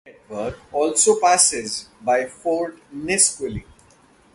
The road network also passes by Fort Nisqually.